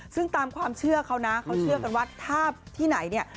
ซึ่งตามความเชื่อเขานะเขาเชื่อกันว่าถ้าที่ไหนเนี่ย